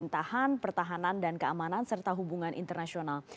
tahan pertahanan dan keamanan serta hubungan internasional